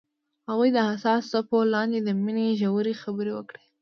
هغوی د حساس څپو لاندې د مینې ژورې خبرې وکړې.